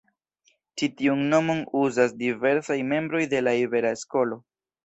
Ĉi tiun nomon uzas diversaj membroj de la Ibera Skolo.